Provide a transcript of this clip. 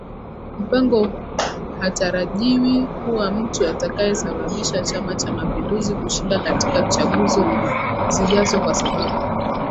Mpango hatarajiwi kuwa mtu atakayesababisha Chama cha mapinduzi kushinda katika chaguzo zijazo kwa sababu